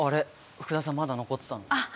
福田さんまだ残ってたのあっ